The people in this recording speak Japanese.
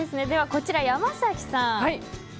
こちら山崎さん